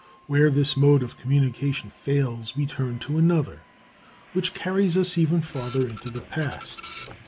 ] Where this mode of communication fails, we turn to another which carries us even farther into the past.